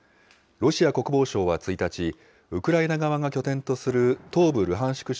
ロシア国防省は１日、ウクライナ側が拠点とする東部ルハンシク